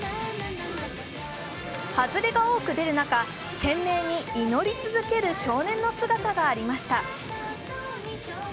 ハズレが多く出る中、懸命に祈り続ける少年の姿がありました。